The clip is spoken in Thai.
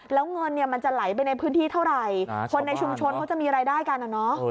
แล้วเงินเนี่ยมันจะไหลไปในพื้นที่เท่าไหร่คนในชุมชนเขาจะมีรายได้กันอะเนาะ